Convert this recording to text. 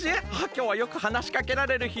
きょうはよくはなしかけられるひね。